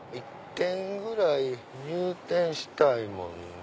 １店ぐらい入店したいもんね。